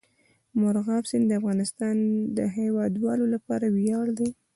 مورغاب سیند د افغانستان د هیوادوالو لپاره ویاړ دی.